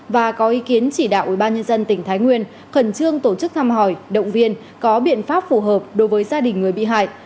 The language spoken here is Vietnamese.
và có ý kiến chỉ đạo ubnd tỉnh thái nguyên khẩn trương tổ chức thăm hỏi động viên có biện pháp phù hợp đối với gia đình người bị hại